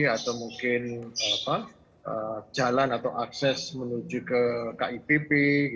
atau mungkin jalan atau akses menuju ke kipp